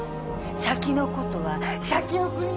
先のことは先送り。